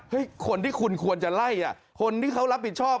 คนที่คุณควรจะไล่คนที่เขารับผิดชอบ